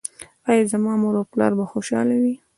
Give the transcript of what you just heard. ایا زما مور او پلار به خوشحاله وي؟